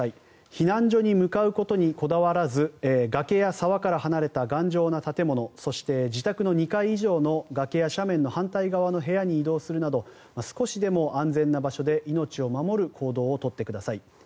避難所に向かうことにこだわらず崖や沢から離れた頑丈な建物そして自宅の２階以上の崖や斜面の反対側の部屋に移動するなど少しでも安全な場所で命を守る行動を取ってください。